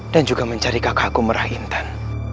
dan juga mencari kakakku merah intan